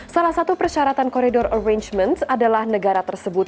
salah satu persyaratan koridor arrangement adalah negara tersebut